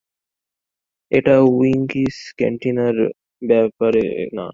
এটা উইংকিস ক্যান্টিনার ব্যাপারে না।